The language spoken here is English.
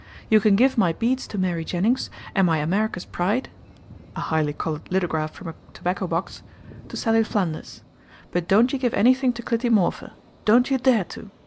You can give my beeds to Mary Jennings, and my Amerika's Pride [a highly colored lithograph from a tobacco box] to Sally Flanders. But don't you give anything to Clytie Morpher. Don't you dare to.